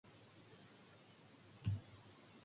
He charged the report with "factual hallucinations".